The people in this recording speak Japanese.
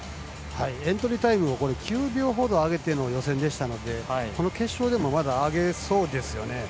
エントリータイムを９秒ほど上げての予選でしたのでこの決勝でも上げそうです。